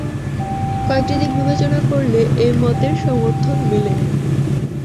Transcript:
কয়েকটি দিক বিবেচনা করলে এ মতের সমর্থন মেলে।